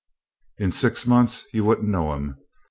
In six months you wouldn't know 'em.